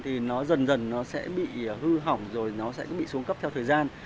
thì nó dần dần nó sẽ bị hư hỏng rồi nó sẽ bị xuống cấp theo thời gian